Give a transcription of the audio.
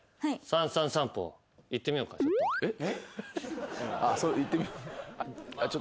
えっ？